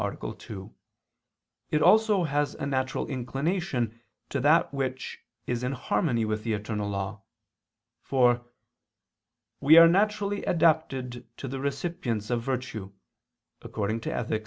2), it also has a natural inclination to that which is in harmony with the eternal law; for "we are naturally adapted to the recipients of virtue" (Ethic.